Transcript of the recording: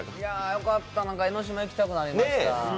よかった、江の島、行きたくなりました。